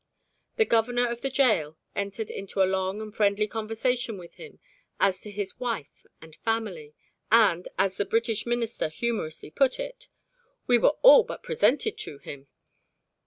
The governor of the gaol entered into a long and friendly conversation with him as to his wife and family, and, as the British Minister humorously put it, "We were all but presented to him."